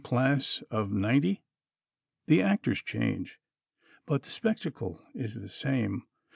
class of '90? The actors change, but the spectacle is the same.